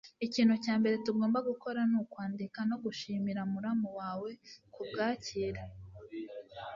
Ikintu cya mbere tugomba gukora nukwandika no gushimira muramu wawe kubwakire